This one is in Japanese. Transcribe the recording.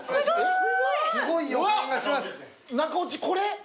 中落ちこれ？